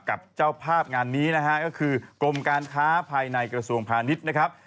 กับเจ้าภาพงานนี้นะฮะก็คือกรมการค้าภายในกระทรวงพาณิชย์นะครับ